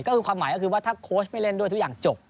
ก็คือความหมายก็คือว่าถ้าโค้ชไม่เล่นด้วยทุกอย่างจบ